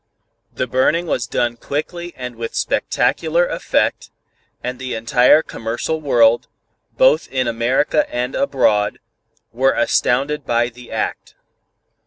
_ The burning was done quickly and with spectacular effect, and the entire commercial world, both in America and abroad, were astounded by the act.